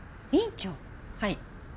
はい。